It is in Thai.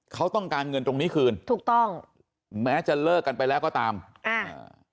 เขาต้องการเงินตรงนี้คืนถูกต้องแม้จะเลิกกันไปแล้วก็ตามอ่า